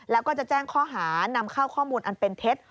แล้วก็จะแจ้งข้อหานำเข้าข้อมูลอันเป็นเท็จ